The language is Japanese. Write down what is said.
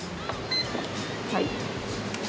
はい。